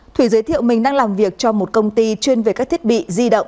thủy giới thiệu mình đang làm việc cho một công ty chuyên về các thiết bị di động